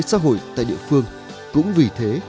xã hội tại địa phương cũng vì thế